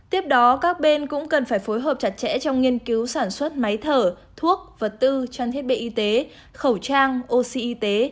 tiếp đó các bên cũng cần phải phối hợp chặt chẽ trong nghiên cứu sản xuất máy thở thuốc vật tư trang thiết bị y tế khẩu trang oxy y tế